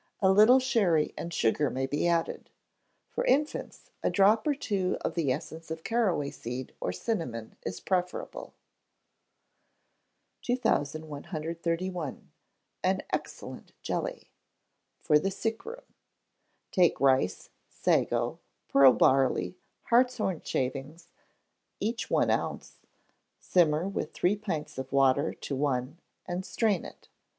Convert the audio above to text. A little sherry and sugar may be added. For infants, a drop or two of the essence of caraway seed or cinnamon is preferable. 2131. An Excellent Jelly. (For the Sick room.) Take rice, sago, pearl barley, hartshorn shavings, each one ounce; simmer with three pints of water to one, and strain it.